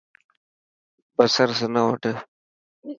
بصر سنو وڌ.